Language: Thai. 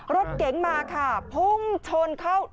รถเก๋งมาพุ่งโชนเขา